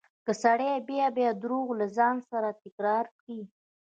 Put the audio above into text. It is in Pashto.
که سړی بيا بيا درواغ له ځان سره تکرار کړي.